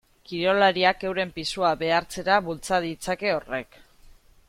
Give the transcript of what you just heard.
Kirolariak euren pisua behartzera bultza ditzake horrek.